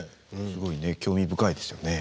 すごい興味深いですよね。